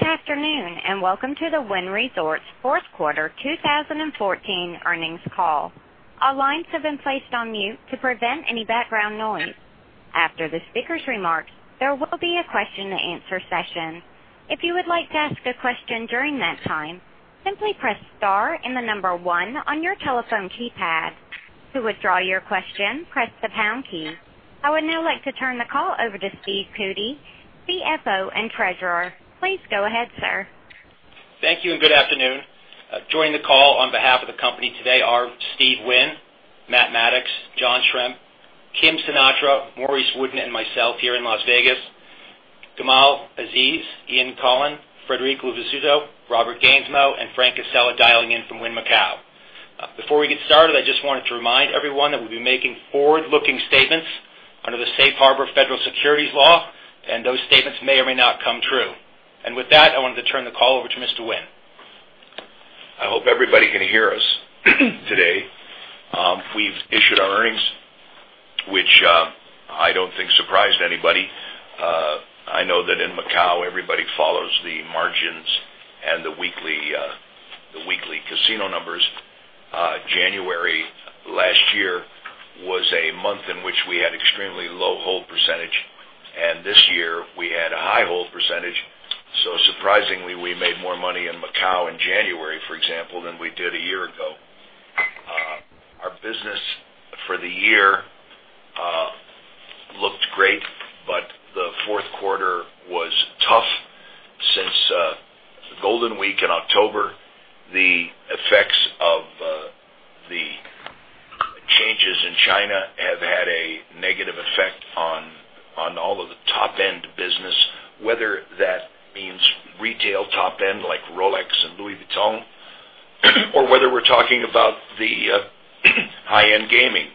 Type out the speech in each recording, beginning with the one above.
Good afternoon. Welcome to the Wynn Resorts fourth quarter 2014 earnings call. All lines have been placed on mute to prevent any background noise. After the speaker's remarks, there will be a question and answer session. If you would like to ask a question during that time, simply press star and 1 on your telephone keypad. To withdraw your question, press the pound key. I would now like to turn the call over to Steve Cootey, CFO and Treasurer. Please go ahead, sir. Thank you. Good afternoon. Joining the call on behalf of the company today are Steve Wynn, Matt Maddox, John Strzemp, Kim Sinatra, Maurice Wooden, and myself here in Las Vegas. Gamal Aziz, Ian Coughlan, Frederic Luvisutto, Robert Gansmo, and Frank Cassella dialing in from Wynn Macau. Before we get started, I just wanted to remind everyone that we'll be making forward-looking statements under the safe harbor federal securities law, and those statements may or may not come true. With that, I wanted to turn the call over to Mr. Wynn. I hope everybody can hear us today. We've issued our earnings, which I don't think surprised anybody. I know that in Macau, everybody follows the margins and the weekly casino numbers. January last year was a month in which we had extremely low hold %, and this year, we had a high hold %. Surprisingly, we made more money in Macau in January, for example, than we did a year ago. Our business for the year looked great, but the fourth quarter was tough. Since Golden Week in October, the effects of the changes in China have had a negative effect on all of the top-end business, whether that means retail top-end, like Rolex and Louis Vuitton, or whether we're talking about the high-end gaming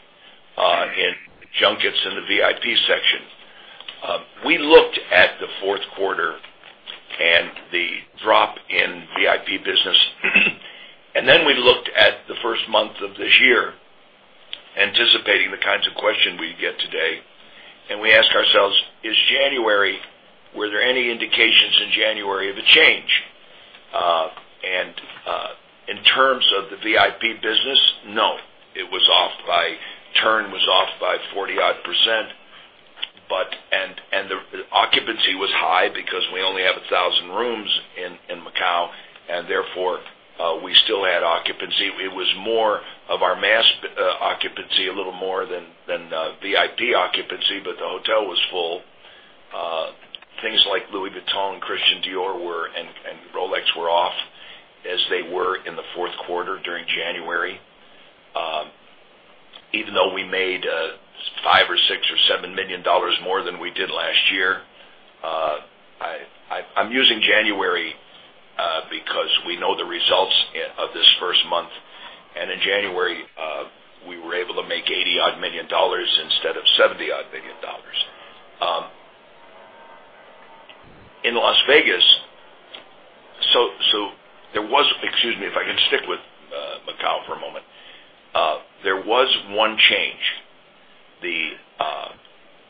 in junkets in the VIP section. We looked at the fourth quarter and the drop in VIP business. Then we looked at the first month of this year anticipating the kinds of question we'd get today, and we asked ourselves, were there any indications in January of a change? In terms of the VIP business, no. Turn was off by 40-odd %. The occupancy was high because we only have 1,000 rooms in Macau, and therefore, we still had occupancy. It was more of our mass occupancy, a little more than VIP occupancy, but the hotel was full. Things like Louis Vuitton, Christian Dior, and Rolex were off as they were in the fourth quarter during January. Even though we made $5 million or $6 million or $7 million more than we did last year. I'm using January because we know the results of this first month. In January, we were able to make $80-odd million instead of $70-odd million. Excuse me, if I can stick with Macau for a moment. There was one change.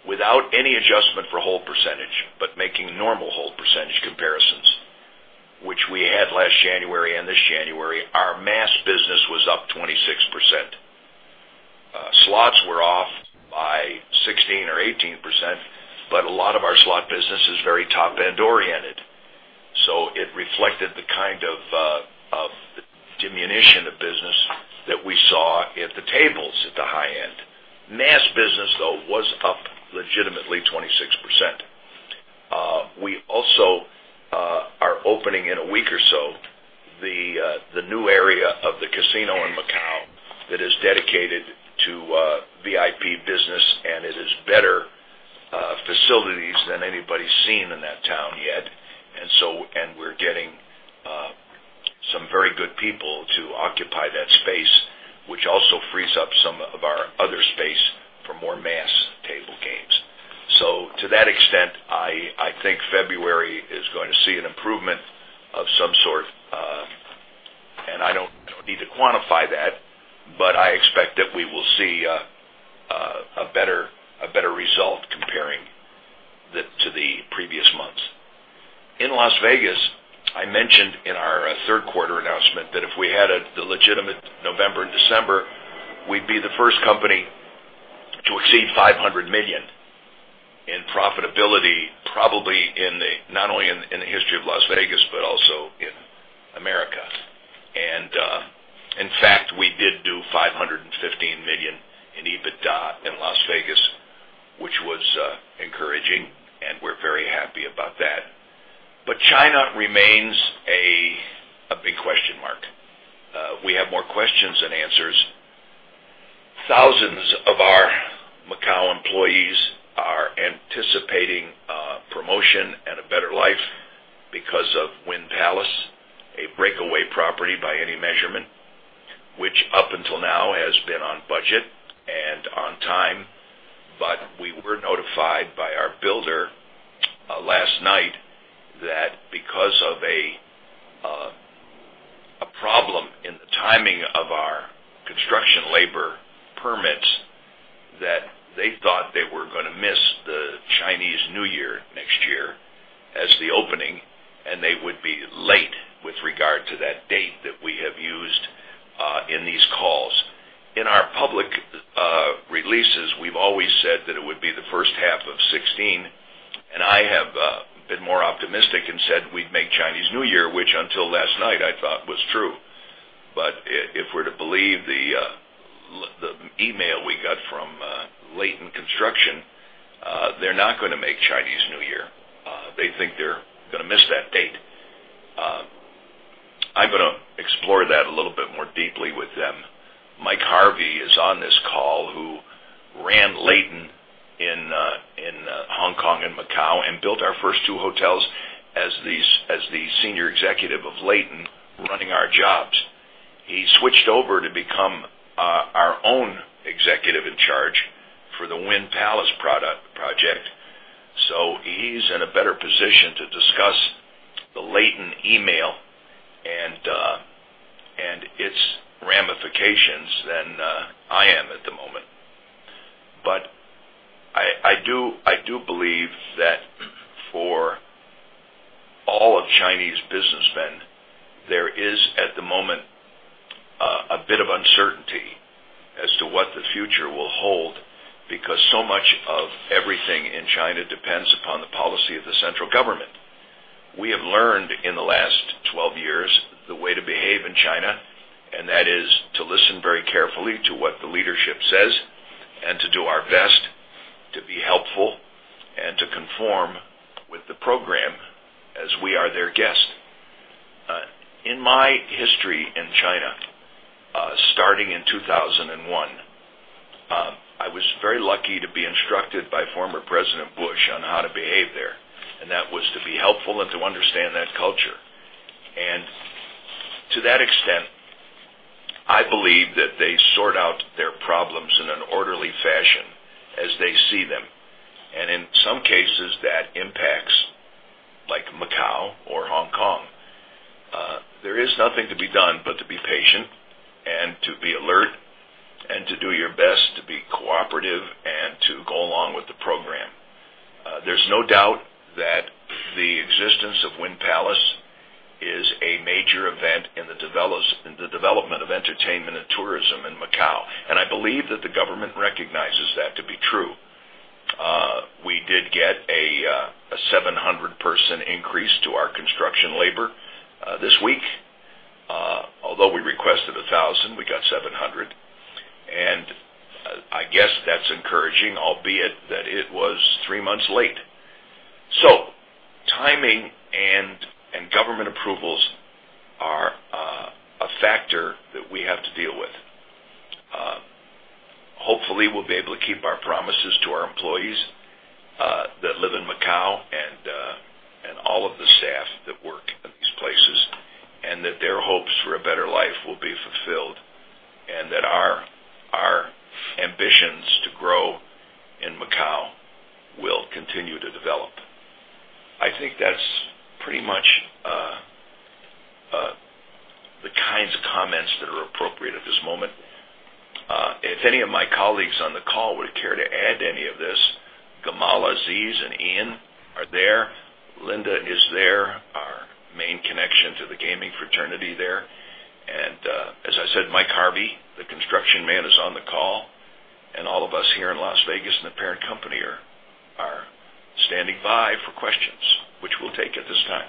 Without any adjustment for hold percentage, making normal hold percentage comparisons, which we had last January and this January, our mass business was up 26%. Slots were off by 16% or 18%. A lot of our slot business is very top-end oriented. It reflected the kind of diminution of business that we saw at the tables at the high end. Mass business, though, was up legitimately 26%. We also are opening in a week or so the new area of the casino in Macau that is dedicated to VIP business. It is better facilities than anybody's seen in that town yet. We're getting some very good people to occupy that space, which also frees up some of our other space for more mass table games. To that extent, I think February is going to see an improvement of some sort. I don't need to quantify that. I expect that we will see a better result comparing to the previous months. In Las Vegas, I mentioned in our third quarter announcement that if we had the legitimate November and December, we'd be the first company to exceed $500 million in profitability, probably not only in the history of Las Vegas, but also in America. In fact, we did do $515 million in EBITDA in Las Vegas, which was encouraging. We're very happy about that. China remains a big question mark. We have more questions than answers. Thousands of our Macau employees are anticipating a promotion and a better life because of Wynn Palace, a breakaway property by any measurement, which up until now has been on budget and on time. We were notified by our builder last night that because of the Chinese New Year next year as the opening, they would be late with regard to that date that we have used in these calls. In our public releases, we've always said that it would be the first half of 2016. I have been more optimistic and said we'd make Chinese New Year, which until last night I thought was true. If we're to believe the email we got from Leighton Construction, they're not going to make Chinese New Year. They think they're going to miss that date. I'm going to explore that a little bit more deeply with them. Mike Harvey is on this call, who ran Leighton in Hong Kong and Macau and built our first two hotels as the senior executive of Leighton running our jobs. He switched over to become our own executive in charge for the Wynn Palace project. He's in a better position to discuss the Leighton email and its ramifications than I am at the moment. I do believe that for all of Chinese businessmen, there is, at the moment, a bit of uncertainty as to what the future will hold, because so much of everything in China depends upon the policy of the central government. We have learned in the last 12 years the way to behave in China. That is to listen very carefully to what the leadership says and to do our best to be helpful and to conform with the program as we are their guest. In my history in China, starting in 2001, I was very lucky to be instructed by former President Bush on how to behave there, and that was to be helpful and to understand that culture. To that extent, I believe that they sort out their problems in an orderly fashion as they see them, and in some cases, that impacts Macau or Hong Kong. There is nothing to be done but to be patient and to be alert and to do your best to be cooperative and to go along with the program. There's no doubt that the existence of Wynn Palace is a major event in the development of entertainment and tourism in Macau, and I believe that the government recognizes that to be true. We did get a 700-person increase to our construction labor this week. Although we requested 1,000, we got 700. I guess that's encouraging, albeit that it was three months late. Timing and government approvals are a factor that we have to deal with. Hopefully, we'll be able to keep our promises to our employees that live in Macau and all of the staff that work in these places, and that their hopes for a better life will be fulfilled and that our ambitions to grow in Macau will continue to develop. I think that's pretty much the kinds of comments that are appropriate at this moment. If any of my colleagues on the call would care to add any of this, Gamal Aziz and Ian are there. Linda is there, our main connection to the gaming fraternity there. As I said, Mike Harvey, the construction man, is on the call, and all of us here in Las Vegas and the parent company are standing by for questions, which we'll take at this time.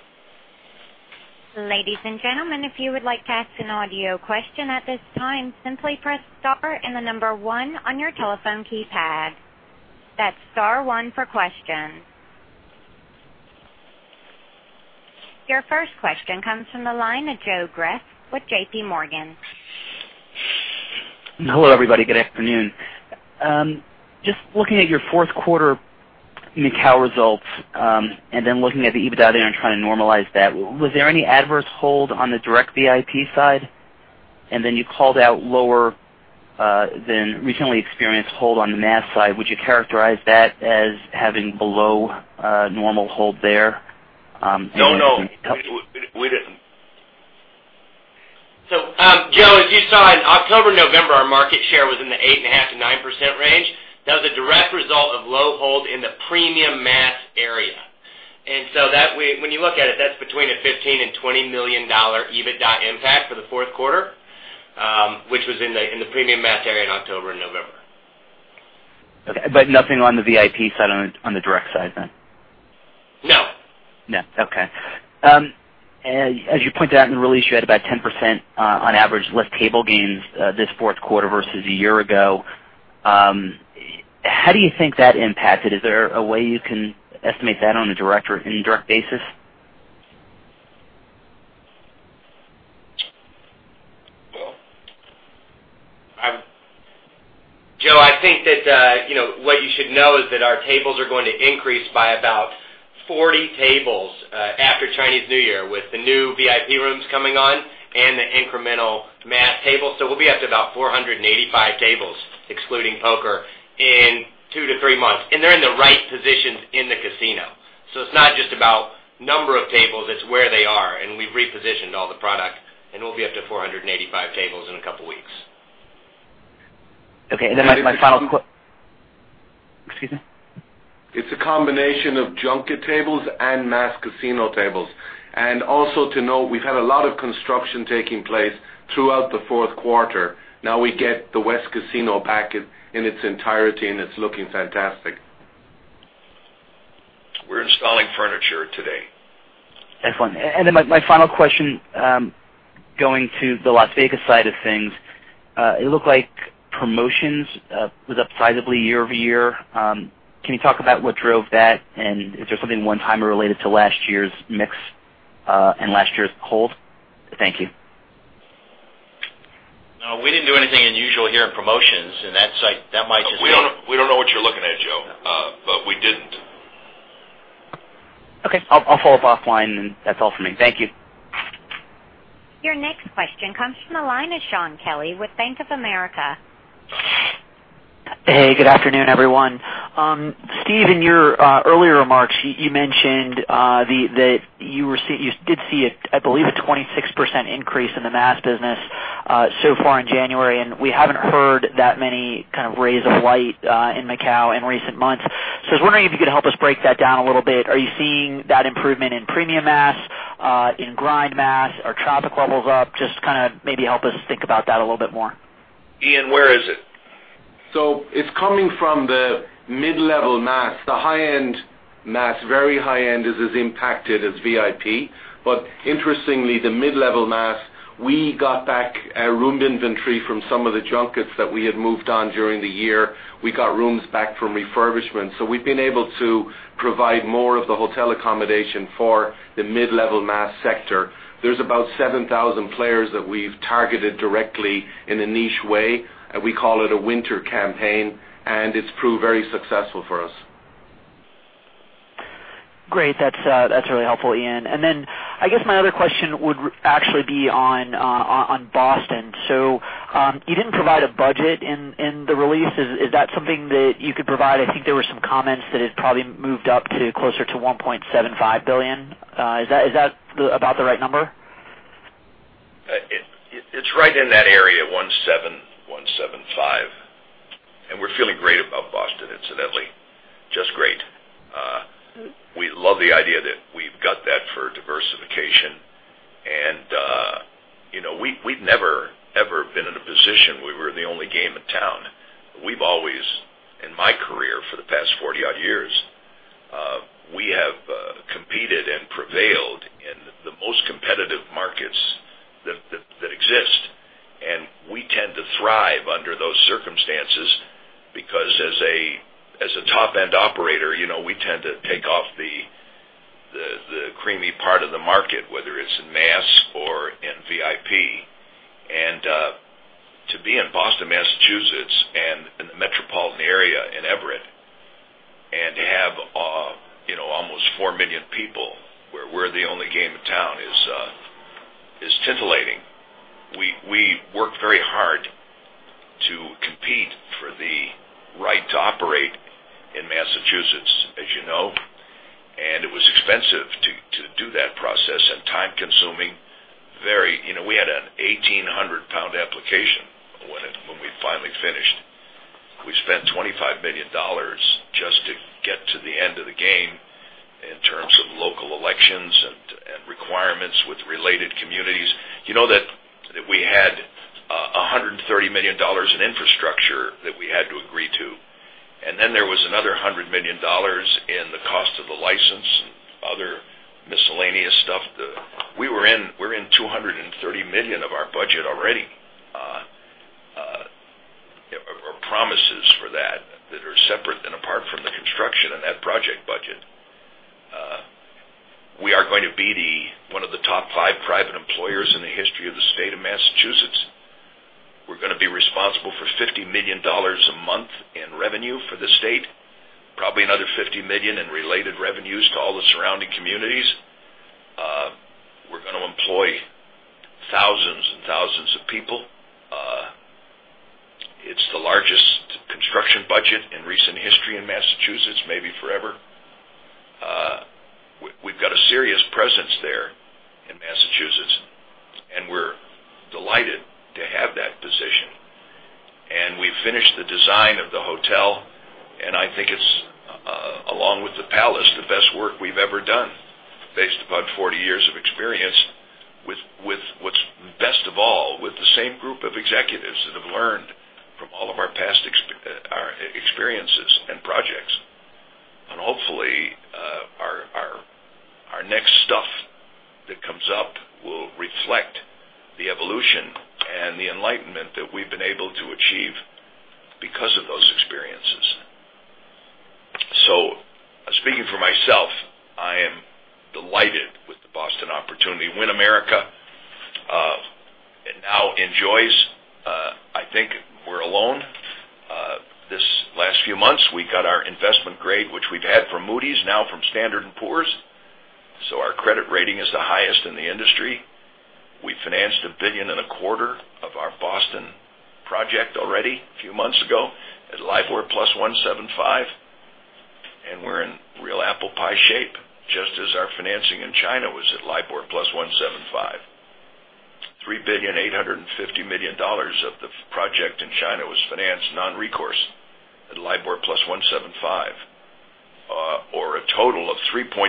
Ladies and gentlemen, if you would like to ask an audio question at this time, simply press star and the number one on your telephone keypad. That's star one for questions. Your first question comes from the line of Joseph Greff with J.P. Morgan. Hello, everybody. Good afternoon. Just looking at your fourth quarter Macau results, looking at the EBITDA there and trying to normalize that, was there any adverse hold on the direct VIP side? You called out lower than recently experienced hold on the mass side. Would you characterize that as having below normal hold there? No, we didn't. Joe, as you saw in October, November, our market share was in the 8.5%-9% range. That was a direct result of low hold in the premium mass area. When you look at it, that's between a $15 million and $20 million EBITDA impact for the fourth quarter, which was in the premium mass area in October and November. Okay, nothing on the VIP side, on the direct side then? No. No. Okay. As you pointed out in the release, you had about 10% on average less table games this fourth quarter versus a year ago. How do you think that impacted? Is there a way you can estimate that on a direct or indirect basis? Joe, I think that what you should know is that our tables are going to increase by about 40 tables after Chinese New Year with the new VIP rooms coming on and the incremental mass tables. We'll be up to about 485 tables, excluding poker, in two to three months. They're in the right positions in the casino. It's not just about number of tables, it's where they are. We've repositioned all the product, and we'll be up to 485 tables in a couple of weeks. Okay. My final Excuse me? It's a combination of junket tables and mass casino tables. Also to note, we've had a lot of construction taking place throughout the fourth quarter. Now we get the west casino back in its entirety, and it's looking fantastic. We're installing furniture today. Excellent. My final question, going to the Las Vegas side of things, it looked like promotions was up sizably year-over-year. Can you talk about what drove that? Is there something one-timer related to last year's mix, and last year's hold? Thank you. No, we didn't do anything unusual here in promotions. We don't know what you're looking at, Joe. We didn't. Okay. I'll follow up offline then. That's all for me. Thank you. Your next question comes from the line of Shaun Kelley with Bank of America. Hey, good afternoon, everyone. Steve, in your earlier remarks, you mentioned that you did see, I believe, a 26% increase in the mass business so far in January. We haven't heard that many kind of rays of light in Macau in recent months. I was wondering if you could help us break that down a little bit. Are you seeing that improvement in premium mass, in grind mass? Are traffic levels up? Just kind of maybe help us think about that a little bit more. Ian, where is it? It's coming from the mid-level mass. The high-end mass, very high-end is as impacted as VIP. Interestingly, the mid-level mass, we got back our room inventory from some of the junkets that we had moved on during the year. We got rooms back from refurbishment. We've been able to provide more of the hotel accommodation for the mid-level mass sector. There's about 7,000 players that we've targeted directly in a niche way, and we call it a winter campaign, and it's proved very successful for us. Great. That's really helpful, Ian. I guess my other question would actually be on Boston. You didn't provide a budget in the release. Is that something that you could provide? I think there were some comments that it probably moved up to closer to $1.75 billion. Is that about the right number? It's right in that area, 1.7, 1.75. We're feeling great about Boston, incidentally. Just great. We love the idea that we've got that for diversification. We'd never, ever been in a position where we're the only game in town. We've always, in my career for the past 40-odd years, we have competed and prevailed in the most competitive markets that exist, and we tend to thrive under those circumstances because as a top-end operator, we tend to take off the creamy part of the market, whether it's in mass or in VIP. To be in Boston, Massachusetts, and in the metropolitan area in Everett, and to have almost 4 million people where we're the only game in town is titillating. We worked very hard to compete for the right to operate in Massachusetts, as you know, and it was expensive to do that process and time-consuming. We had an 1,800-pound application when we finally finished. We spent $25 million just to get to the end of the game in terms of local elections and requirements with related communities. You know that we had $130 million in infrastructure that we had to agree to. There was another $100 million in the cost of the license and other miscellaneous stuff. We're in $230 million of our budget already, or promises for that are separate and apart from the construction and that project budget. We are going to be one of the top five private employers in the history of the state of Massachusetts. We're going to be responsible for $50 million a month in revenue for the state, probably another $50 million in related revenues to all the surrounding communities. We're going to employ thousands and thousands of people. It's the largest construction budget in recent history in Massachusetts, maybe forever. We've got a serious presence there in Massachusetts, and we're delighted to have that position. We finished the design of the hotel, and I think it's, along with the Palace, the best work we've ever done based upon 40 years of experience with what's best of all, with the same group of executives that have learned from all of our past experiences and projects. Hopefully, our next stuff that comes up will reflect the evolution and the enlightenment that we've been able to achieve because of those experiences. Speaking for myself, I am delighted with the Boston opportunity. Wynn America now enjoys. I think we're alone. These last few months, we got our investment grade, which we've had from Moody's, now from Standard & Poor's. Our credit rating is the highest in the industry. We financed $1.25 billion of our Boston project already a few months ago at LIBOR plus 175. We're in real apple pie shape, just as our financing in China was at LIBOR plus 175. $3.85 billion of the project in China was financed non-recourse at LIBOR plus 175, or a total of 3.3%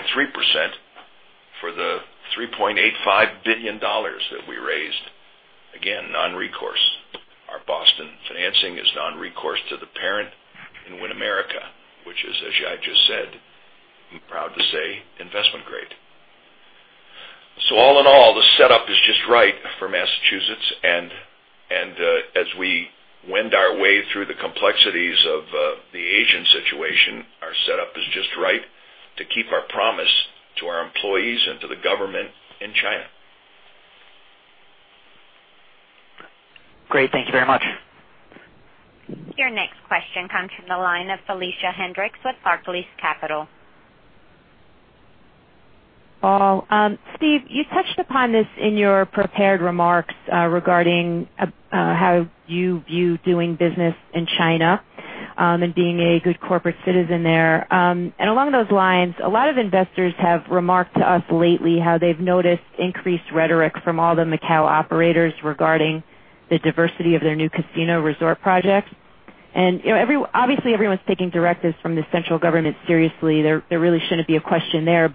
for the $3.85 billion that we raised. Again, non-recourse. Our Boston financing is non-recourse to the parent in Wynn America, which is, as I just said, I'm proud to say, investment grade. All in all, the setup is just right for Massachusetts and as we wend our way through the complexities of the Asian situation, our setup is just right to keep our promise to our employees and to the government in China. Great. Thank you very much. Your next question comes from the line of Felicia Hendrix with Barclays Capital. Steve, you touched upon this in your prepared remarks, regarding how you view doing business in China, and being a good corporate citizen there. Along those lines, a lot of investors have remarked to us lately how they've noticed increased rhetoric from all the Macau operators regarding the diversity of their new casino resort projects. Obviously everyone's taking directives from the central government seriously. There really shouldn't be a question there.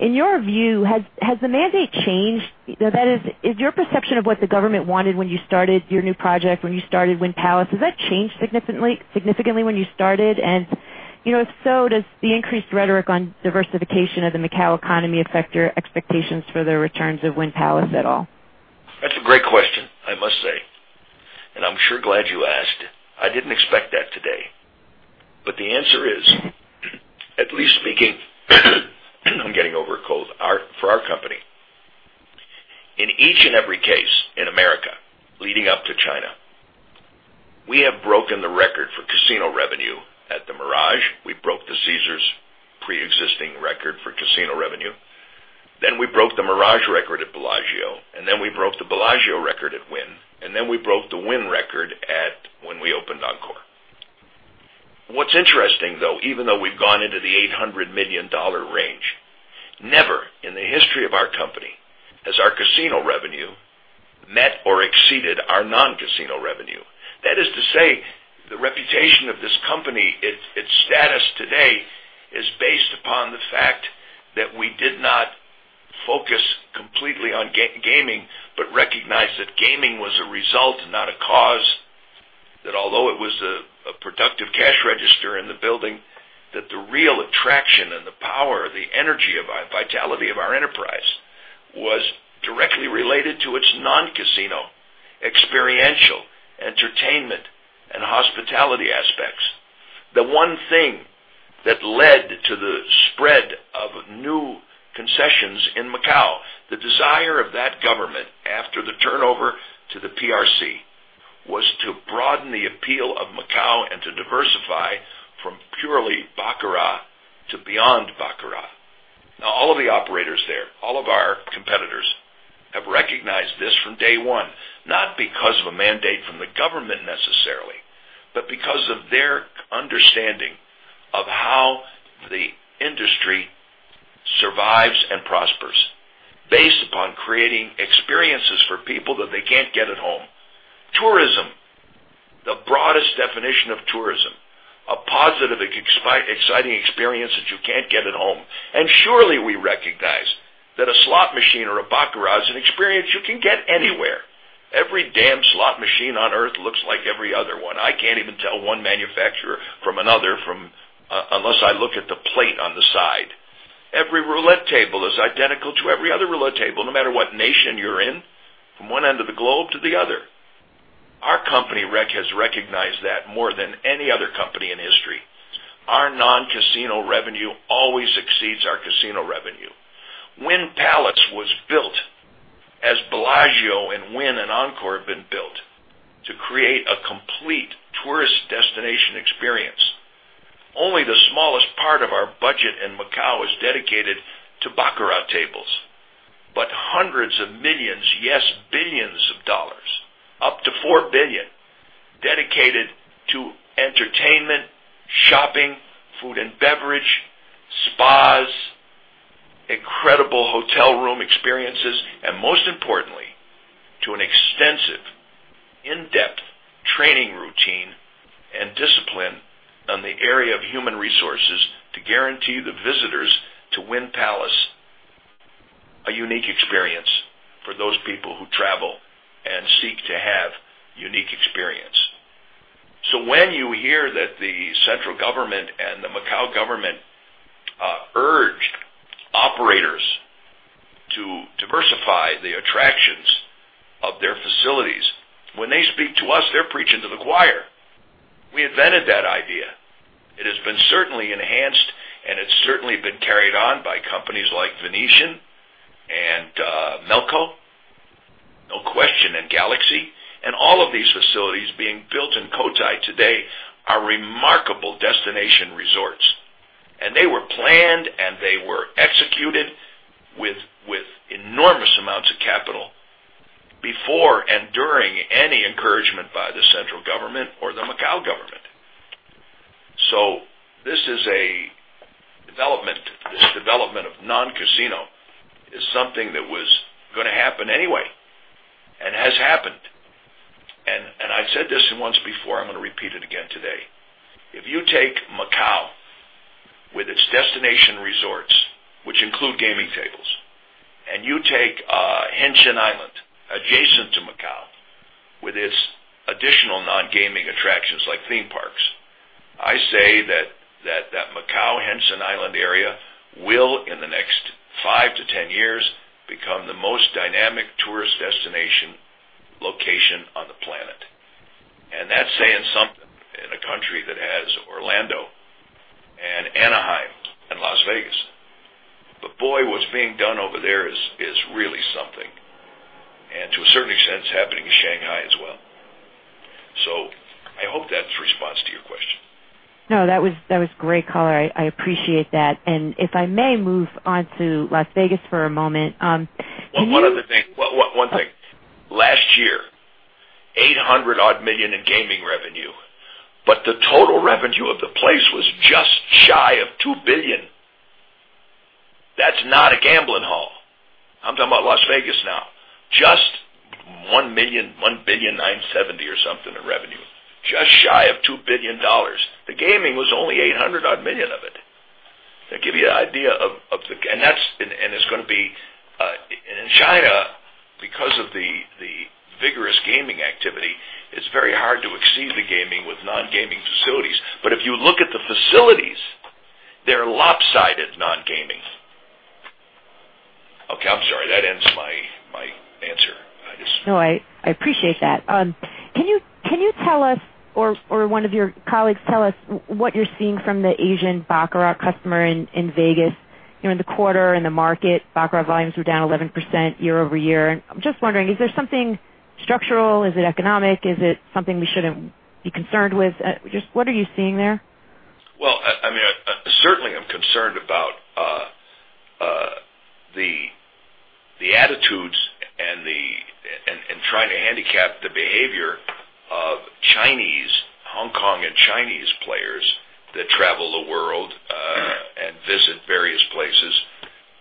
In your view, has the mandate changed? That is your perception of what the government wanted when you started your new project, when you started Wynn Palace, has that changed significantly when you started? If so, does the increased rhetoric on diversification of the Macau economy affect your expectations for the returns of Wynn Palace at all? That's a great question, I must say, I'm sure glad you asked. I didn't expect that today. The answer is, at least speaking I'm getting over a cold, for our company. In each and every case in America leading up to China, we have broken the record for casino revenue at The Mirage. We broke the Caesars preexisting record for casino revenue. We broke the Mirage record at Bellagio, we broke the Bellagio record at Wynn, we broke the Wynn record when we opened Encore. What's interesting, though, even though we've gone into the $800 million range, never in the history of our company has our casino revenue met or exceeded our non-casino revenue. That is to say, the reputation of this company, its status today, is based upon the fact that we did not focus completely on gaming, but recognized that gaming was a result and not a cause, that although it was a productive cash register in the building, that the real attraction and the power, the energy of our vitality of our enterprise was directly related to its non-casino, experiential entertainment and hospitality aspects. The one thing that led to the spread of new concessions in Macau, the desire of that government after the turnover to the PRC, was to broaden the appeal of Macau and to diversify from purely baccarat to beyond baccarat. All of the operators there, all of our competitors, have recognized this from day one, not because of a mandate from the government necessarily, but because of their understanding of how the industry survives and prospers based upon creating experiences for people that they can't get at home. Tourism, the broadest definition of tourism, a positive, exciting experience that you can't get at home. Surely we recognize that a slot machine or a baccarat is an experience you can get anywhere. Every damn slot machine on Earth looks like every other one. I can't even tell one manufacturer from another unless I look at the plate on the side. Every roulette table is identical to every other roulette table, no matter what nation you're in, from one end of the globe to the other. Our company has recognized that more than any other company in history. Our non-casino revenue always exceeds our casino revenue. Wynn Palace was built as Bellagio and Wynn and Encore have been built to create a complete tourist destination experience. Only the smallest part of our budget in Macau is dedicated to baccarat tables. Hundreds of millions, yes, billions of dollars, up to $4 billion, dedicated to entertainment, shopping, food and beverage, spas, incredible hotel room experiences, and most importantly, to an extensive in-depth training routine and discipline on the area of human resources to guarantee the visitors to Wynn Palace a unique experience for those people who travel and seek to have unique experience. When you hear that the central government and the Macau government urge operators to diversify the attractions of their facilities, when they speak to us, they're preaching to the choir. We invented that idea. It has been certainly enhanced, and it's certainly been carried on by companies like Venetian and Melco, no question, and Galaxy. All of these facilities being built in Cotai today are remarkable destination resorts. They were planned, and they were executed Government or the Macau government. This is a development. This development of non-casino is something that was going to happen anyway, and has happened. I said this once before, I'm going to repeat it again today. If you take Macau with its destination resorts, which include gaming tables, and you take Hengqin Island adjacent to Macau with its additional non-gaming attractions like theme parks, I say that Macau-Hengqin Island area will, in the next five to 10 years, become the most dynamic tourist destination location on the planet. That's saying something in a country that has Orlando and Anaheim and Las Vegas. Boy, what's being done over there is really something, and to a certain extent, it's happening in Shanghai as well. I hope that's a response to your question. No, that was great, [Cotai]. I appreciate that. If I may move on to Las Vegas for a moment. One other thing. One thing. Last year, $800 odd million in gaming revenue, the total revenue of the place was just shy of $2 billion. That's not a gambling hall. I'm talking about Las Vegas now. Just $1 billion, $970 or something in revenue, just shy of $2 billion. The gaming was only $800 odd million of it. To give you an idea. In China, because of the vigorous gaming activity, it's very hard to exceed the gaming with non-gaming facilities. If you look at the facilities, they're lopsided non-gaming. Okay, I'm sorry. That ends my answer. I appreciate that. Can you tell us or one of your colleagues tell us what you're seeing from the Asian baccarat customer in Vegas? In the quarter, in the market, baccarat volumes were down 11% year-over-year. I'm just wondering, is there something structural? Is it economic? Is it something we shouldn't be concerned with? Just what are you seeing there? Certainly I'm concerned about the attitudes and trying to handicap the behavior of Hong Kong and Chinese players that travel the world and visit various places.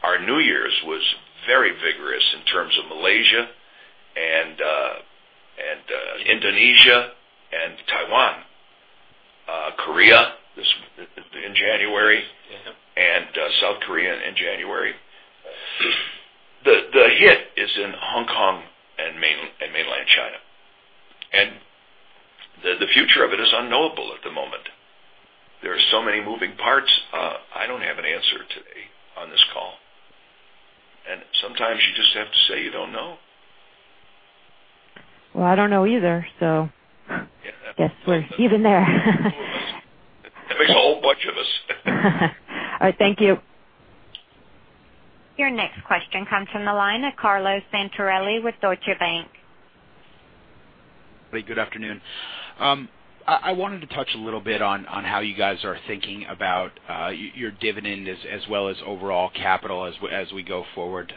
Our New Year's was very vigorous in terms of Malaysia and Indonesia and Taiwan, South Korea in January. The hit is in Hong Kong and Mainland China, the future of it is unknowable at the moment. There are many moving parts. I don't have an answer today on this call, sometimes you just have to say you don't know. I don't know either, guess we're even there. That makes a whole bunch of us. All right, thank you. Your next question comes from the line of Carlo Santarelli with Deutsche Bank. Good afternoon. I wanted to touch a little bit on how you guys are thinking about your dividend, as well as overall capital as we go forward.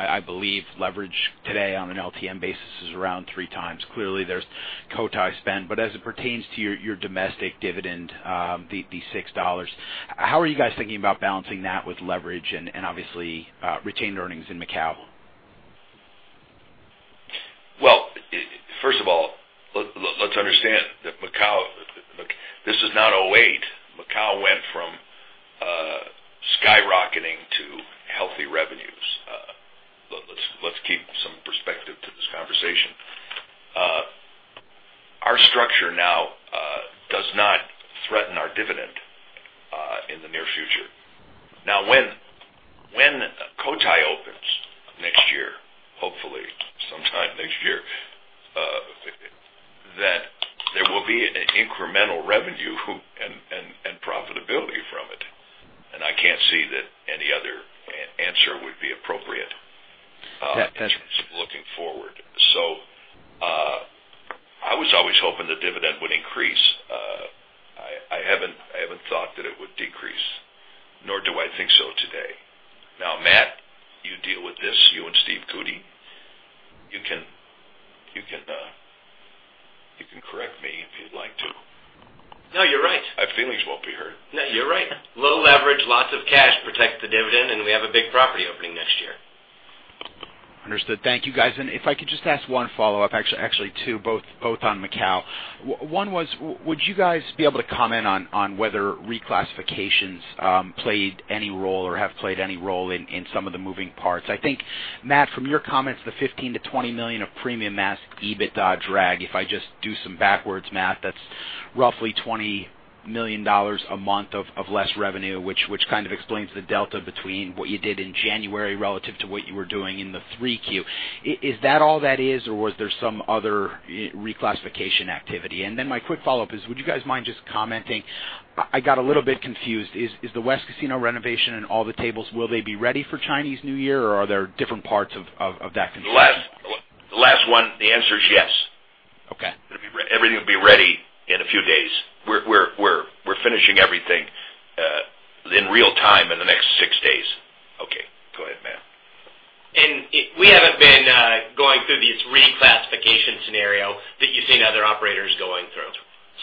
I believe leverage today on an LTM basis is around three times. Clearly, there's Cotai spend. As it pertains to your domestic dividend, the $6, how are you guys thinking about balancing that with leverage and obviously, retained earnings in Macau? Well, first of all, let's understand that this is not 2008. Macau went from skyrocketing to healthy revenues. Let's keep some perspective to this conversation. Our structure now does not threaten our dividend in the near future. When Cotai opens next year, hopefully sometime next year, that there will be an incremental revenue and profitability from it, and I can't see that any other answer would be appropriate- That- in terms of looking forward. I was always hoping the dividend would increase. I haven't thought that it would decrease, nor do I think so today. Matt, you deal with this, you and Stephen Cootey. You can correct me if you'd like to. No, you're right. I have feelings won't be hurt. No, you're right. Low leverage, lots of cash protects the dividend, and we have a big property opening next year. If I could just ask one follow-up, actually two, both on Macau. One was, would you guys be able to comment on whether reclassifications played any role or have played any role in some of the moving parts? I think, Matt, from your comments, the $15 million-$20 million of premium mass EBITDA drag, if I just do some backwards math, that's roughly $20 million a month of less revenue, which kind of explains the delta between what you did in January relative to what you were doing in the 3Q. Is that all that is, or was there some other reclassification activity? My quick follow-up is, would you guys mind just commenting, I got a little bit confused. Is the West Casino renovation and all the tables, will they be ready for Chinese New Year, or are there different parts of that construction? The last one, the answer is yes. Okay. Everything will be ready in a few days. We're finishing everything in real time in the next six days. We haven't been going through these reclassification scenario that you've seen other operators going through.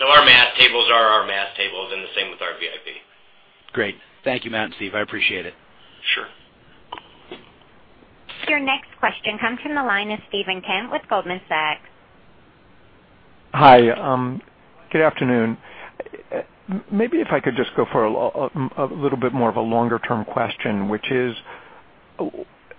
Our mass tables are our mass tables, and the same with our VIP. Great. Thank you, Matt and Steve, I appreciate it. Sure. Your next question comes from the line of Steven Kent with Goldman Sachs. Hi. Good afternoon. Maybe if I could just go for a little bit more of a longer-term question, which is,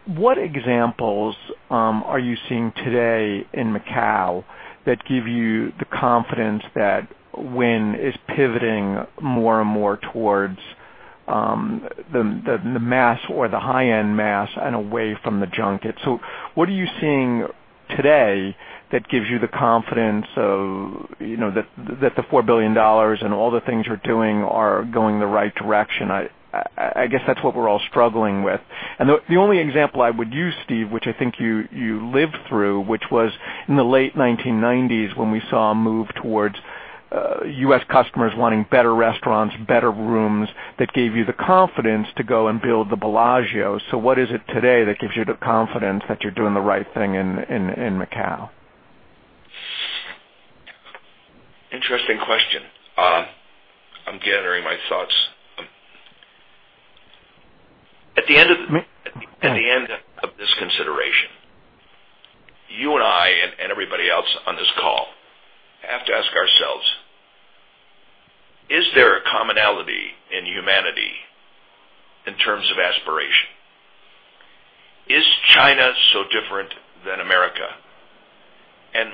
what examples are you seeing today in Macau that give you the confidence that Wynn is pivoting more and more towards the mass or the high-end mass and away from the junket? What are you seeing today that gives you the confidence that the $4 billion and all the things you're doing are going in the right direction? I guess that's what we're all struggling with. The only example I would use, Steve, which I think you lived through, which was in the late 1990s, when we saw a move towards U.S. customers wanting better restaurants, better rooms, that gave you the confidence to go and build the Bellagio. What is it today that gives you the confidence that you're doing the right thing in Macau? Interesting question. I'm gathering my thoughts. At the end of this consideration, you and I, and everybody else on this call, have to ask ourselves, is there a commonality in humanity in terms of aspiration? Is China so different than America?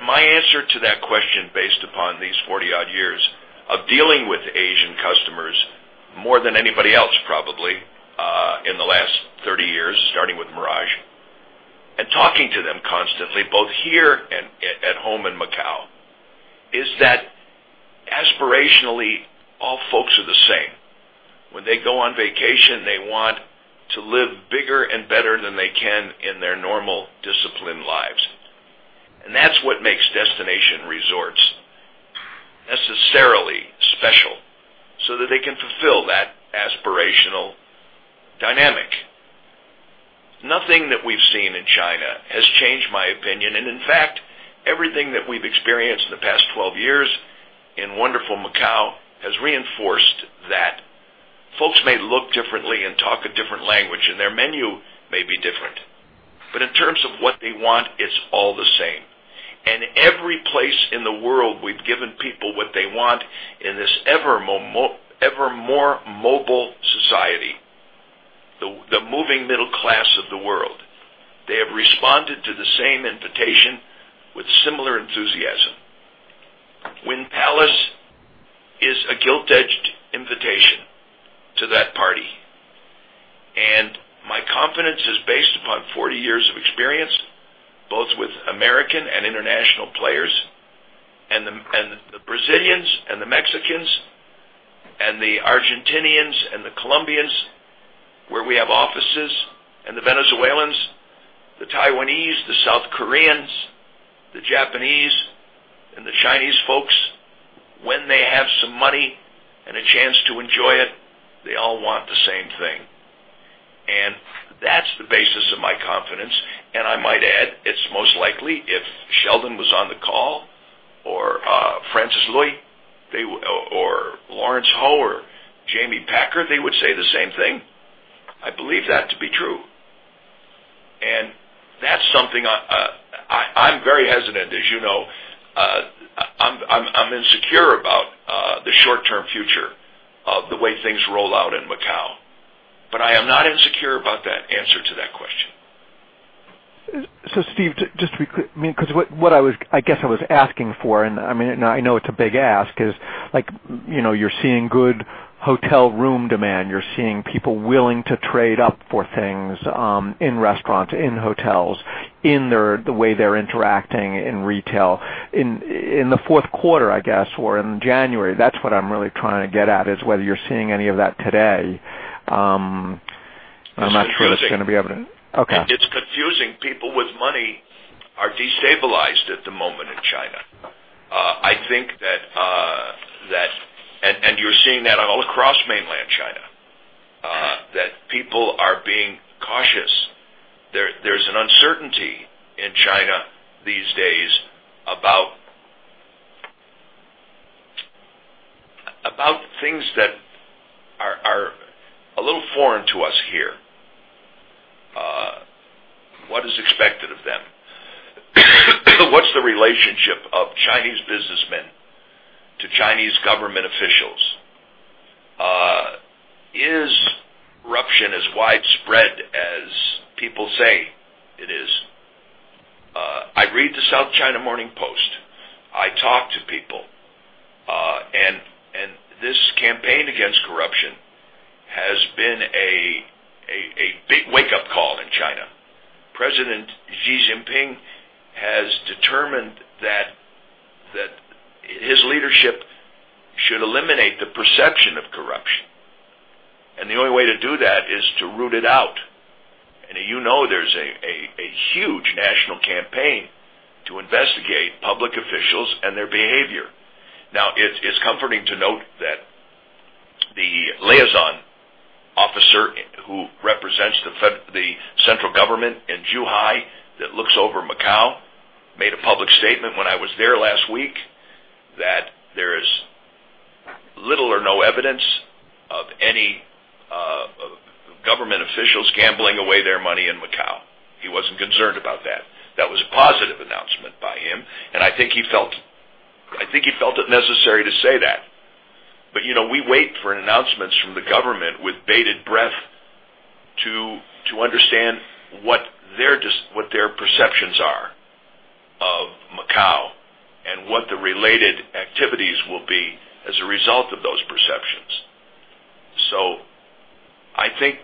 My answer to that question, based upon these 40-odd years of dealing with Asian customers, more than anybody else probably, in the last 30 years, starting with Mirage, and talking to them constantly, both here and at home in Macau, is that aspirationally, all folks are the same. When they go on vacation, they want to live bigger and better than they can in their normal, disciplined lives. That's what makes destination resorts necessarily special, so that they can fulfill that aspirational dynamic. Nothing that we've seen in China has changed my opinion. In fact, everything that we've experienced in the past 12 years in wonderful Macau has reinforced that folks may look differently and talk a different language, and their menu may be different. In terms of what they want, it's all the same. Every place in the world we've given people what they want in this ever more mobile society, the moving middle class of the world. They have responded to the same invitation with similar enthusiasm. Wynn Palace is a gilt-edged invitation to that party, and my confidence is based upon 40 years of experience, both with American and international players, and the Brazilians and the Mexicans and the Argentinians and the Colombians, where we have offices, and the Venezuelans, the Taiwanese, the South Koreans, the Japanese, and the Chinese folks. When they have some money and a chance to enjoy it, they all want the same thing. That's the basis of my confidence, and I might add, it's most likely if Sheldon was on the call or Francis Lui or Lawrence Ho or Jamie Packer, they would say the same thing. I believe that to be true. That's something I'm very hesitant, as you know. I'm insecure about the short-term future of the way things roll out in Macau. I am not insecure about that answer to that question. Steve, I guess I was asking for, and I know it's a big ask, is you're seeing good hotel room demand. You're seeing people willing to trade up for things in restaurants, in hotels, in the way they're interacting in retail. In the fourth quarter, I guess, or in January, that's what I'm really trying to get at, is whether you're seeing any of that today. I'm not sure that's going to be evident. Okay. It's confusing. People with money are destabilized at the moment in China. You're seeing that all across mainland China, that people are being cautious. There's an uncertainty in China these days about things that are a little foreign to us here. What is expected of them? What's the relationship of Chinese businessmen to Chinese government officials? Is corruption as widespread as people say it is? I read the South China Morning Post. I talk to people. This campaign against corruption has been a big wake-up call in China. President Xi Jinping has determined that his leadership should eliminate the perception of corruption, and the only way to do that is to root it out. You know there's a huge national campaign to investigate public officials and their behavior. Now, it's comforting to note, an officer who represents the central government in Zhuhai that looks over Macau, made a public statement when I was there last week that there is little or no evidence of any government officials gambling away their money in Macau. He wasn't concerned about that. That was a positive announcement by him, and I think he felt it necessary to say that. We wait for announcements from the government with bated breath to understand what their perceptions are of Macau and what the related activities will be as a result of those perceptions. I think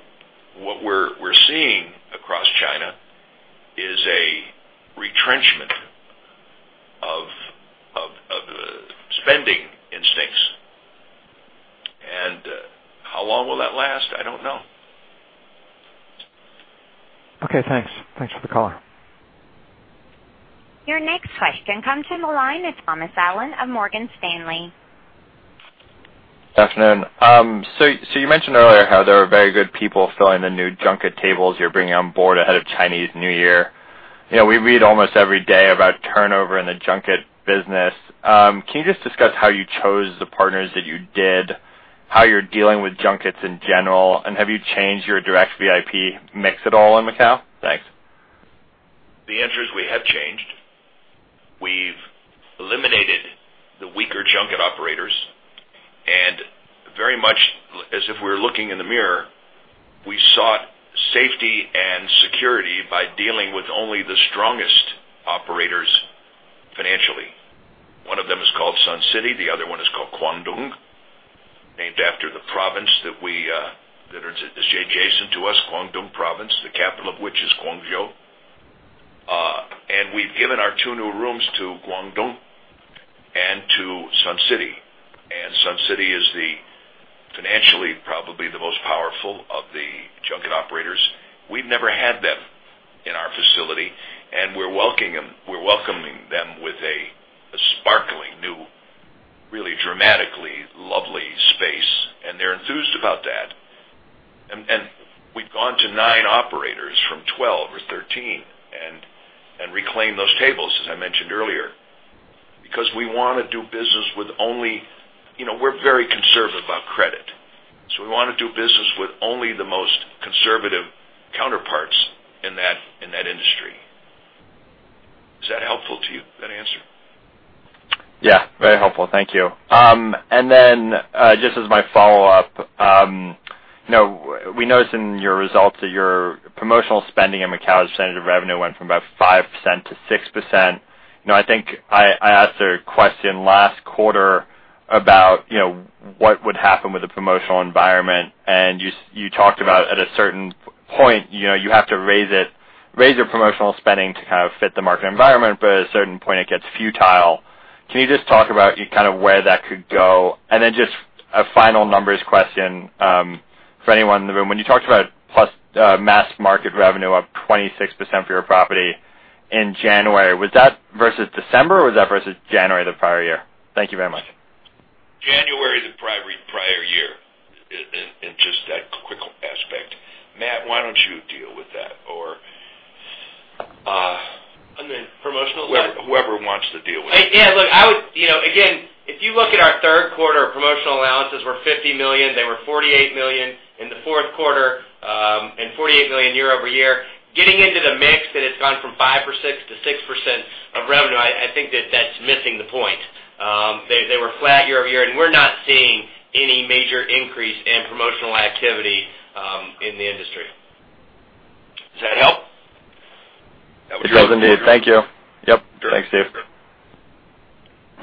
what we're seeing across China is a retrenchment of spending instincts. How long will that last? I don't know. Okay, thanks. Thanks for the call. Your next question comes from the line of Thomas Allen of Morgan Stanley. Good afternoon. You mentioned earlier how there are very good people filling the new junket tables you're bringing on board ahead of Chinese New Year. We read almost every day about turnover in the junket business. Can you just discuss how you chose the partners that you did, how you're dealing with junkets in general, and have you changed your direct VIP mix at all in Macau? Thanks. The answer is we have changed. We've eliminated the weaker junket operators, and very much as if we were looking in the mirror, we sought safety and security by dealing with only the strongest operators financially. One of them is called Suncity Group, the other one is called Guangdong, named after the province that is adjacent to us, Guangdong Province, the capital of which is Guangzhou. We've given our 2 new rooms to Guangdong and to Suncity Group. Suncity Group is financially, probably the most powerful of the junket operators. We'd never had them in our facility, and we're welcoming them with a sparkling new, really dramatically lovely space. They're enthused about that. We've gone to 9 operators from 12 or 13 and reclaimed those tables, as I mentioned earlier, because we want to do business with we're very conservative about credit. We want to do business with only the most conservative counterparts in that industry. Is that helpful to you, that answer? very helpful. Thank you. Just as my follow-up, we noticed in your results that your promotional spending in Macau as a percentage of revenue went from about 5% to 6%. I think I asked a question last quarter about what would happen with the promotional environment, and you talked about, at a certain point, you have to raise your promotional spending to fit the market environment, but at a certain point, it gets futile. Can you just talk about where that could go? Just a final numbers question for anyone in the room. When you talked about mass market revenue up 26% for your property in January, was that versus December or was that versus January the prior year? Thank you very much. January the prior year, in just that quick aspect. Matt, why don't you deal with that or- On the promotional side? Whoever wants to deal with it. Yeah, look, again, if you look at our third quarter, our promotional allowances were $50 million. They were $48 million in the fourth quarter and $48 million year-over-year. Getting into the mix that it's gone from 5% to 6% of revenue, I think that that's missing the point. They were flat year-over-year, we're not seeing any major increase in promotional activity in the industry. Does that help? It does indeed. Thank you. Yep. Thanks, Steve.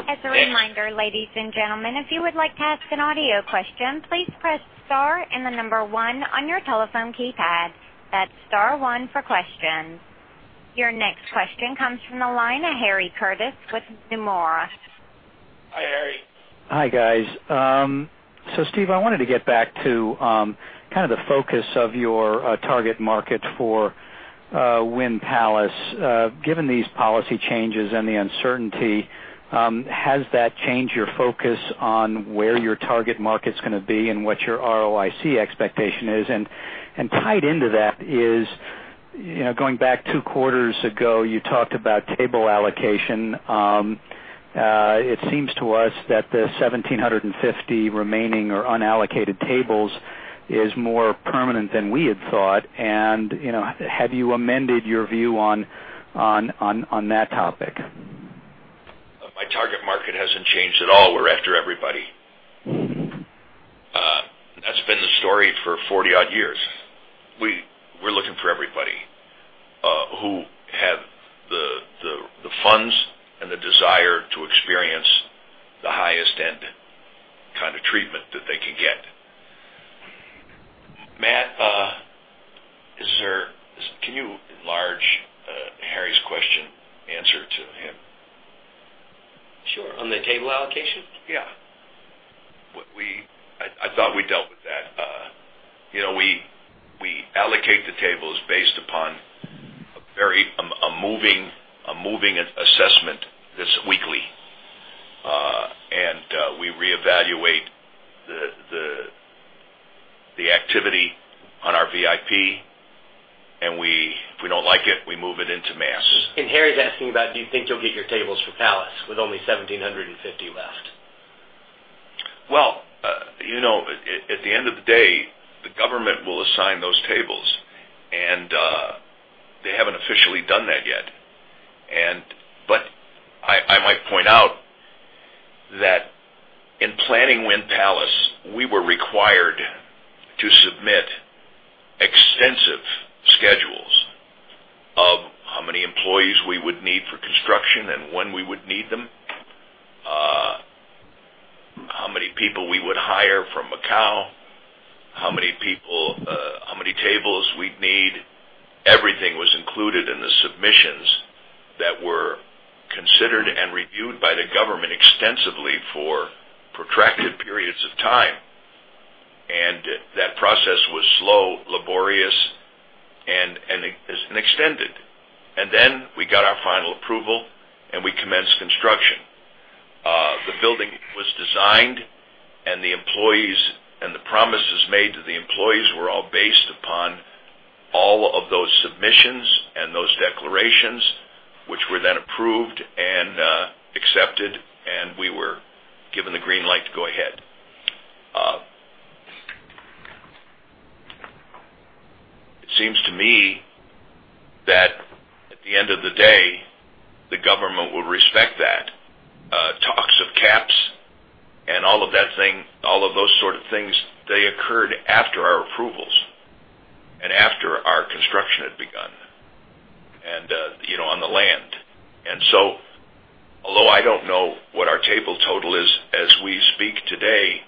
As a reminder, ladies and gentlemen, if you would like to ask an audio question, please press star and the number 1 on your telephone keypad. That's star 1 for questions. Your next question comes from the line of Harry Curtis with Nomura. Hi, Harry. Hi, guys. Steve, I wanted to get back to kind of the focus of your target market for Wynn Palace. Given these policy changes and the uncertainty, has that changed your focus on where your target market's going to be and what your ROIC expectation is? Tied into that is, going back two quarters ago, you talked about table allocation. It seems to us that the 1,750 remaining or unallocated tables is more permanent than we had thought. Have you amended your view on that topic? My target market hasn't changed at all. We're after everybody. That's been the story for 40-odd years. We're looking for everybody who have the funds and the desire to experience the highest-end kind of treatment that they can get. Matt, can you enlarge Harry's question, answer to him? Sure. On the table allocation? Yeah. I thought we dealt with that. We allocate the tables based upon a moving assessment this weekly. We reevaluate the activity on our VIP, and if we don't like it, we move it into mass. Harry's asking about, do you think you'll get your tables for Palace with only 1,750 left? Well, at the end of the day, the government will assign those tables, and they haven't officially done that yet. I might point out that in planning Wynn Palace, we were required to submit extensive schedules of how many employees we would need for construction and when we would need them, how many people we would hire from Macau, how many tables we'd need. Everything was included in the submissions that were considered and reviewed by the government extensively for protracted periods of time. That process was slow, laborious, and extended. Then we got our final approval, and we commenced construction. The building was designed, and the promises made to the employees were all based upon all of those submissions and those declarations, which were then approved and accepted, and we were given the green light to go ahead. It seems to me that at the end of the day, the government will respect that. Talks of caps and all of those sort of things, they occurred after our approvals and after our construction had begun on the land. Although I don't know what our table total is as we speak today,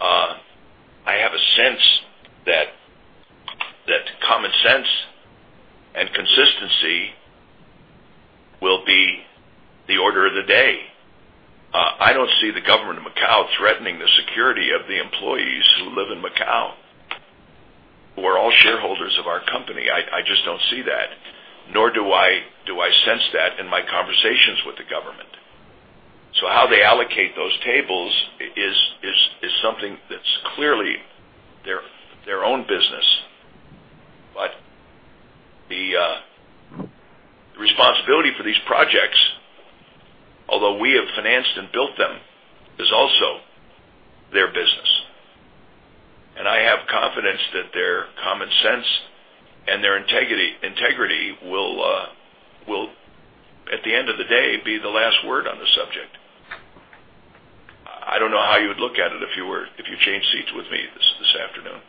I have a sense that common sense and consistency will be the order of the day. I don't see the government of Macau threatening the security of the employees who live in Macau, who are all shareholders of our company. I just don't see that. Nor do I sense that in my conversations with the government. How they allocate those tables is something that's clearly their own business. The responsibility for these projects, although we have financed and built them, is also their business. I have confidence that their common sense and their integrity will, at the end of the day, be the last word on the subject. I don't know how you would look at it if you changed seats with me this afternoon,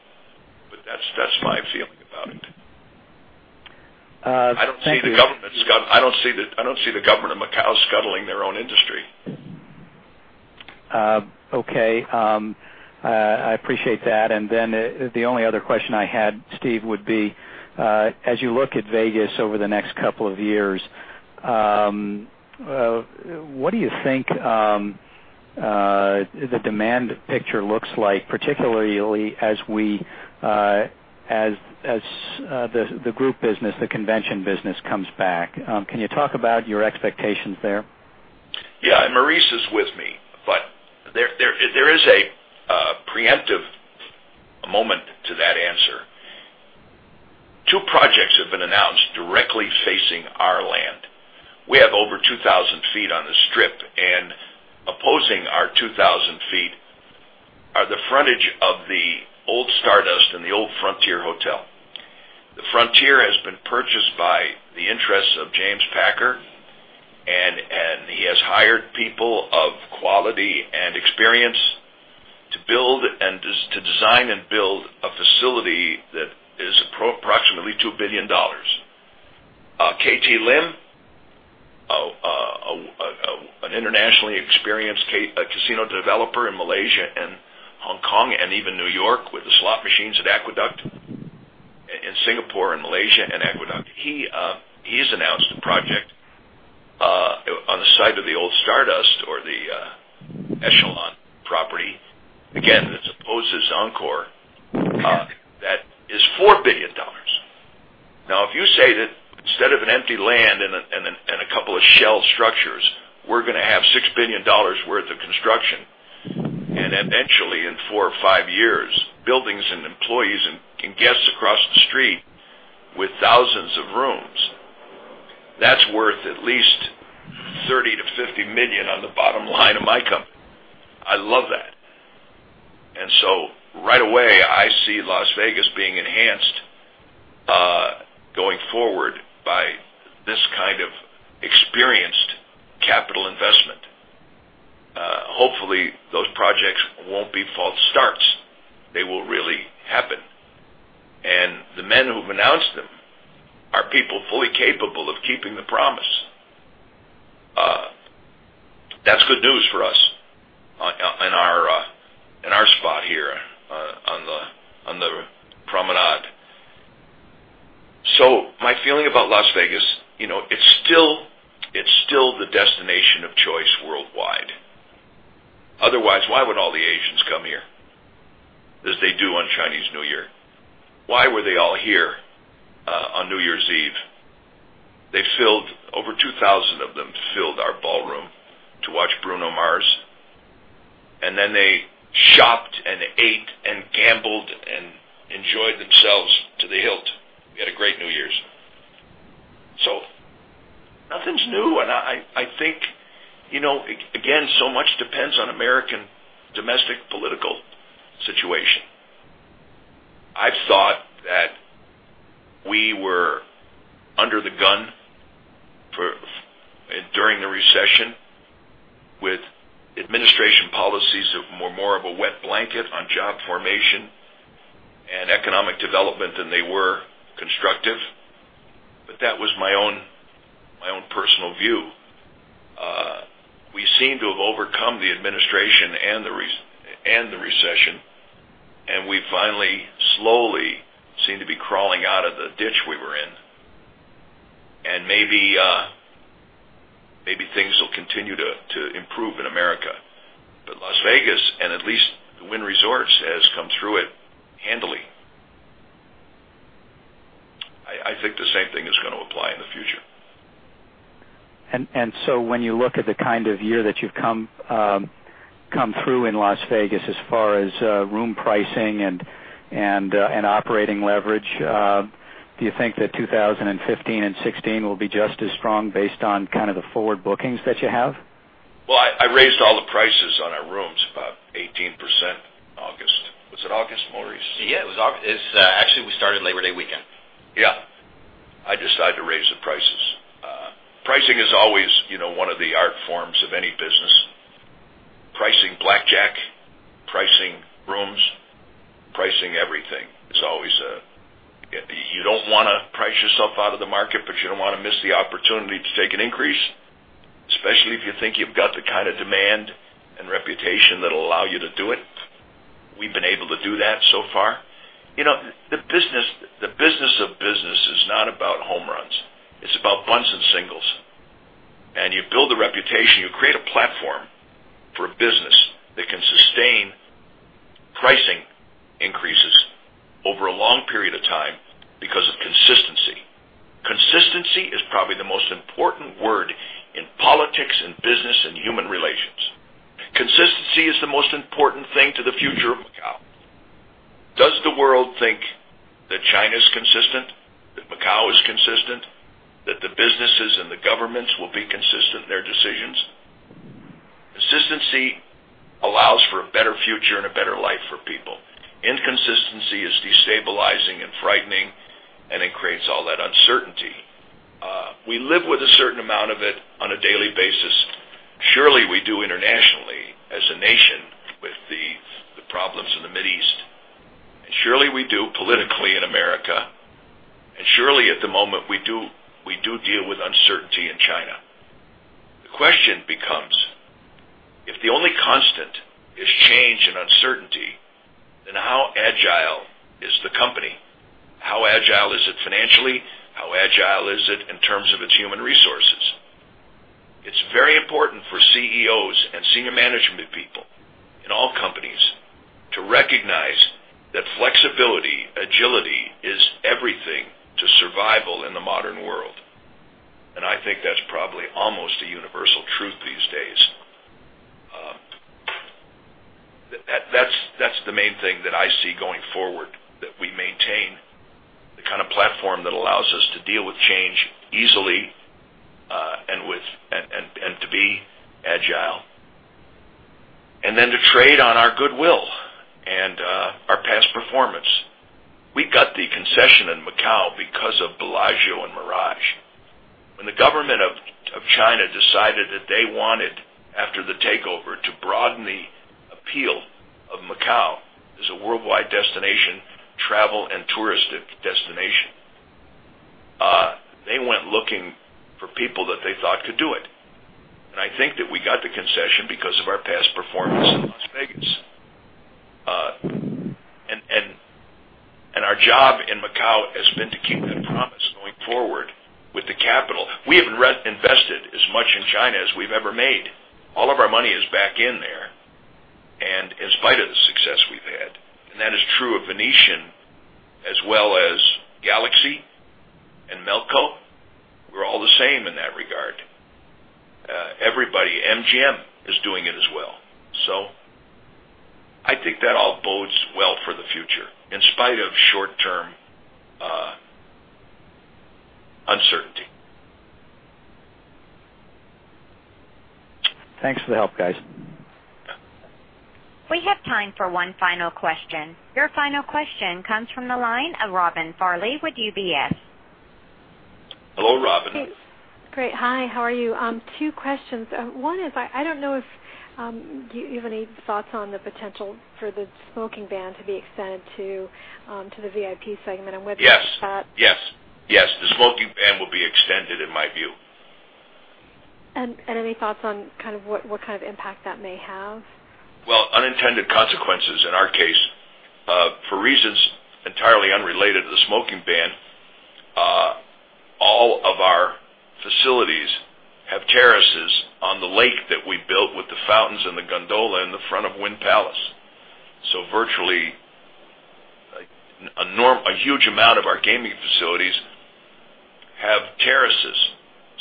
but that's my feeling about it. Thank you. I don't see the government of Macau scuttling their own industry. Okay. I appreciate that. The only other question I had, Steve, would be, as you look at Vegas over the next couple of years, what do you think the demand picture looks like, particularly as the group business, the convention business comes back? Can you talk about your expectations there? Maurice is with me. There is a preemptive moment to that answer. Two projects have been announced directly facing our land. We have over 2,000 feet on the Strip, opposing our 2,000 feet are the frontage of the old Stardust and the old Frontier Hotel. The Frontier has been purchased by the interests of James Packer, he has hired people of quality and experience to design and build a facility that is approximately $2 billion. KT Lim, an internationally experienced casino developer in Malaysia and Hong Kong and even New York with the slot machines at Aqueduct, in Singapore and Malaysia and Aqueduct. He has announced a project on the site of the old Stardust or the Echelon property, again, that opposes Encore, that is $4 billion. If you say that instead of an empty land and a couple of shell structures, we are going to have $6 billion worth of construction, eventually in four or five years, buildings and employees and guests across the street with thousands of rooms, that is worth at least $30 million-$50 million on the bottom line of my company. I love that. Right away, I see Las Vegas being enhanced, going forward by this kind of experienced capital investment. Hopefully, those projects won't be false starts. They will really happen. The men who have announced them are people fully capable of keeping the promise. That is good news for us in our spot here on the promenade. My feeling about Las Vegas, it is still the destination of choice worldwide. Otherwise, why were they all here on New Year's Eve? Over 2,000 of them filled our ballroom to watch Bruno Mars, then they shopped and ate and gambled and enjoyed themselves to the hilt. We had a great New Year's. Nothing is new. I think, again, so much depends on American domestic political situation. I have thought that we were under the gun during the recession with administration policies of more of a wet blanket on job formation and economic development than they were constructive, but that was my own personal view. We seem to have overcome the administration and the recession, we finally, slowly seem to be crawling out of the ditch we were in. Maybe things will continue to improve in America. Las Vegas, and at least Wynn Resorts, has come through it handily. I think the same thing is going to apply in the future. When you look at the kind of year that you have come through in Las Vegas as far as room pricing and operating leverage, do you think that 2015 and 2016 will be just as strong based on the forward bookings that you have? Well, I raised all the prices on our rooms about 18% in August. Was it August, Maurice? Yeah, it was August. Actually, we started Labor Day weekend. Yeah. I decided to raise the prices. Pricing is always. You don't want to price yourself out of the market, but you don't want to miss the opportunity to take an increase, especially if you think you've got the kind of demand and reputation that'll allow you to do it. We've been able to do that so far. The business of business is not about home runs. It's about buns and singles. You build a reputation, you create a platform for a business that can sustain pricing increases over a long period of time because of consistency. Consistency is probably the most important word in politics, in business, and human relations. Consistency is the most important thing to the future of Macau. Does the world think that China's consistent, that Macau is consistent, that the businesses and the governments will be consistent in their decisions? Consistency allows for a better future and a better life for people. Inconsistency is destabilizing and frightening, and it creates all that uncertainty. We live with a certain amount of it on a daily basis. Surely, we do internationally as a nation with the problems in the Mid East, and surely we do politically in America. Surely, at the moment, we do deal with uncertainty in China. The question becomes, if the only constant is change and uncertainty, how agile is the company? How agile is it financially? How agile is it in terms of its human resources? It's very important for CEOs and senior management people in all companies to recognize that flexibility, agility is everything to survival in the modern world. I think that's probably almost a universal truth these days. That's the main thing that I see going forward, that we maintain the kind of platform that allows us to deal with change easily, to be agile, and then to trade on our goodwill and our past performance. We got the concession in Macau because of Bellagio and Mirage. When the government of China decided that they wanted, after the takeover, to broaden the appeal of Macau as a worldwide destination, travel and touristic destination, they went looking for people that they thought could do it. I think that we got the concession because of our past performance in Las Vegas. Our job in Macau has been to keep that promise going forward with the capital. We haven't invested as much in China as we've ever made. All of our money is back in there, and in spite of the success we've had. That is true of Venetian as well as Galaxy and Melco. We're all the same in that regard. Everybody. MGM is doing it as well. I think that all bodes well for the future, in spite of short-term uncertainty. Thanks for the help, guys. We have time for one final question. Your final question comes from the line of Robin Farley with UBS. Hello, Robin. Great. Hi, how are you? Two questions. One is, I don't know if you have any thoughts on the potential for the smoking ban to be extended to the VIP segment, and whether that- Yes. The smoking ban will be extended in my view. Any thoughts on what kind of impact that may have? Unintended consequences in our case. For reasons entirely unrelated to the smoking ban, all of our facilities, the gondola in the front of Wynn Palace. Virtually, a huge amount of our gaming facilities have terraces,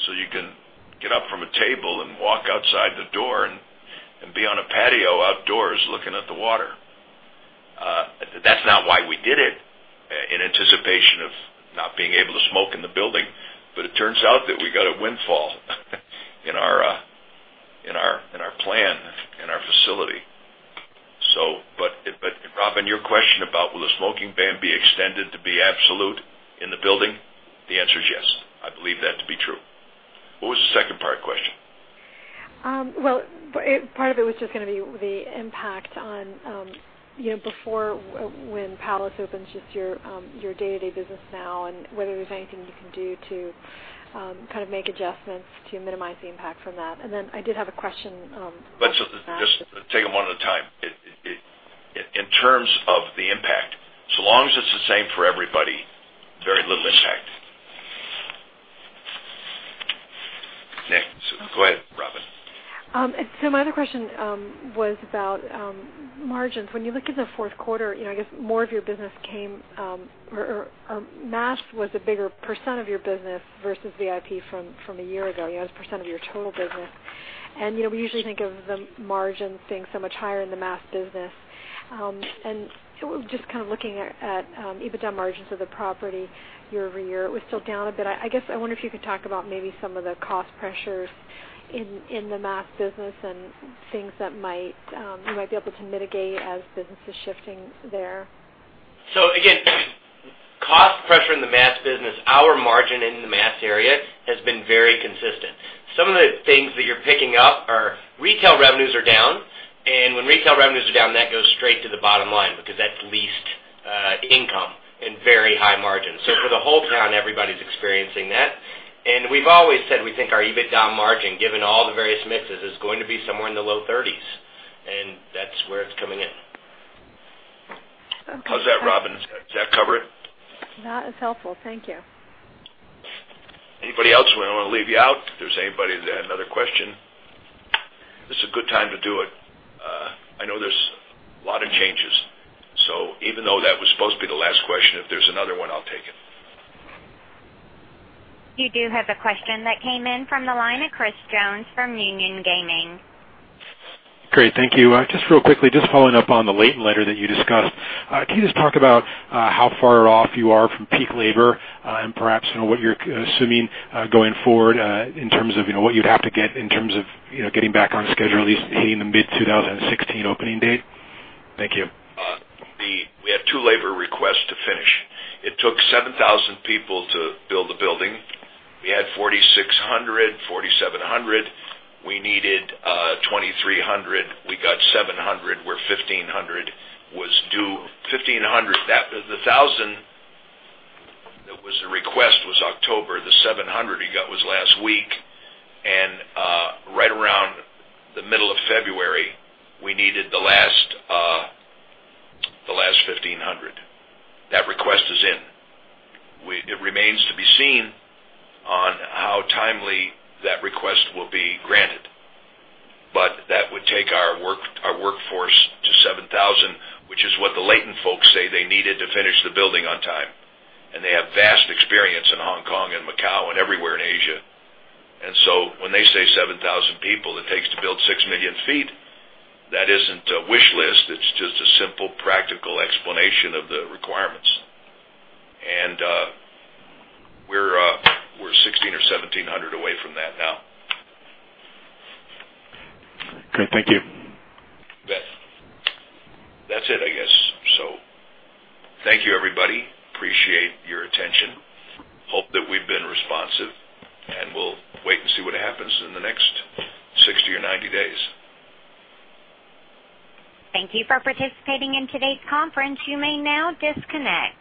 so you can get up from a table and walk outside the door and be on a patio outdoors looking at the water. That's not why we did it, in anticipation of not being able to smoke in the building, but it turns out that we got a windfall in our plan, in our facility. Robin, your question about will the smoking ban be extended to be absolute in the building? The answer is yes. I believe that to be true. What was the second part of the question? Part of it was just going to be the impact on before Wynn Palace opens, just your day-to-day business now, and whether there's anything you can do to make adjustments to minimize the impact from that. I did have a question. Let's just take them one at a time. In terms of the impact, so long as it's the same for everybody, very little impact. Nick. Go ahead, Robin. My other question was about margins. When you look at the fourth quarter, I guess mass was a bigger % of your business versus VIP from a year ago, as a % of your total business. We usually think of the margin being so much higher in the mass business. Just looking at EBITDA margins of the property year-over-year, it was still down a bit. I guess, I wonder if you could talk about maybe some of the cost pressures in the mass business and things that you might be able to mitigate as business is shifting there. Again, cost pressure in the mass business, our margin in the mass area has been very consistent. Some of the things that you're picking up are retail revenues are down, and when retail revenues are down, that goes straight to the bottom line because that's leased income and very high margin. For the whole town, everybody's experiencing that. We've always said we think our EBITDA margin, given all the various mixes, is going to be somewhere in the low 30s, and that's where it's coming in. Okay. How's that, Robin? Does that cover it? That is helpful. Thank you. Anybody else? We don't want to leave you out. If there's anybody that had another question, this is a good time to do it. I know there's a lot of changes. Even though that was supposed to be the last question, if there's another one, I'll take it. You do have a question that came in from the line of Chris Jones from Union Gaming. Great. Thank you. Just real quickly, just following up on the Leighton letter that you discussed. Can you just talk about how far off you are from peak labor and perhaps what you're assuming going forward in terms of what you'd have to get in terms of getting back on schedule, at least hitting the mid-2016 opening date? Thank you. We have two labor requests to finish. It took 7,000 people to build the building. We had 4,600, 4,700. We needed 2,300. We got 700, where 1,500 was due. The 1,000 that was the request was October. The 700 we got was last week, and right around the middle of February, we needed the last 1,500. That request is in. It remains to be seen on how timely that request will be granted. That would take our workforce to 7,000, which is what the Leighton folks say they needed to finish the building on time, and they have vast experience in Hong Kong and Macau and everywhere in Asia. So when they say 7,000 people it takes to build 6 million feet, that isn't a wish list. It's just a simple, practical explanation of the requirements. And we're 1,600 or 1,700 away from that now. Great. Thank you. You bet. That's it, I guess. Thank you, everybody. Appreciate your attention. Hope that we've been responsive, and we'll wait and see what happens in the next 60 or 90 days. Thank you for participating in today's conference. You may now disconnect.